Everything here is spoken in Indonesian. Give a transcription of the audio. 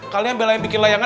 kalian belain bikin layangan